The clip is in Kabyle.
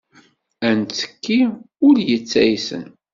Ad netti ul yettaysen.